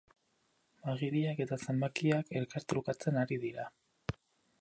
Agiriak eta zenbakiak elkartrukatzen ari dira.